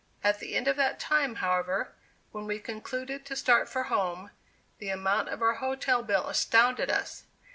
At the end of that time, however, when we concluded to start for home, the amount of our hotel bill astounded us.